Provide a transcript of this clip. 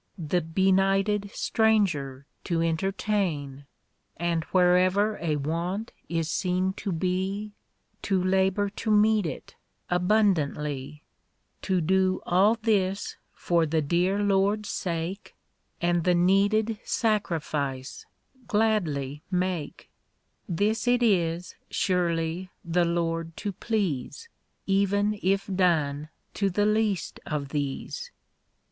The bcni. Ljhtccl strang^er to entertain, Aiul wlierever a want is seen to he, To labor to meet it abimdantly‚ÄĒ To do all this for the dear Lord's sake, And the needed sacrifice gladly make, This it is, surely, the Lord to please, F.vcn if done to the least of these.